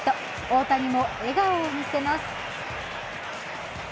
大谷も笑顔を見せます。